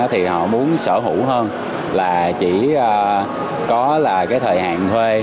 thì họ muốn sở hữu hơn là chỉ có lại cái thời hạn thuê